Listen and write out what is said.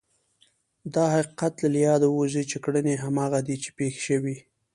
دا حقیقت له یاده ووځي چې کړنې هماغه دي چې پېښې شوې.